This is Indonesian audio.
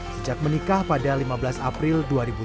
sejak menikah pada lima belas april dua ribu tujuh belas